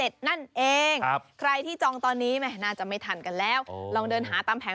แต่ทั้งนี้ทั้งนั้นก็ไม่อยากให้